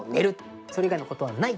それ以外のことはない。